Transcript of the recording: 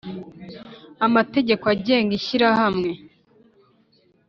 amategeko agenga ishyirahamwe